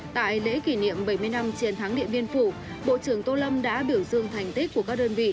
tại lễ kỷ niệm bảy mươi năm chiến thắng điện biên phủ bộ trưởng tô lâm đã biểu dương thành tích của các đơn vị